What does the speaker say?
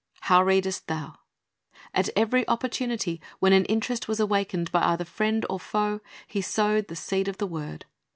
"How readest thou?" At every opportunity, when an interest was awakened by either friend or foe, He sowed the seed of the word.